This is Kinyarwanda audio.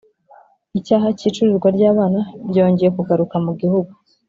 icyaha cy’icuruzwa rw’abana ryongeye kugaruka mu Gihugu